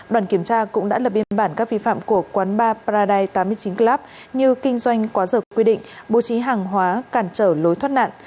đoàn kiểm tra cũng đã lập biên bản các vi phạm của quán bar pradite tám mươi chín club như kinh doanh quá dược quy định bố trí hàng hóa cản trở lối thoát nạn